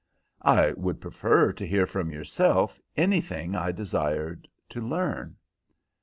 "I would prefer to hear from yourself anything I desired to learn."